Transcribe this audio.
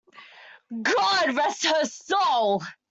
God rest her soul!